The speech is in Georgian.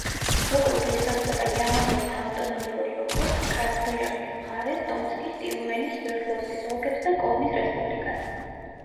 ოკრუგი ესაზღვრება იამალ-ნენთა ავტონომიური ოკრუგს, კრასნოიარსკის მხარეს, ტომსკის, ტიუმენის, სვერდლოვსკის ოლქებს და კომის რესპუბლიკას.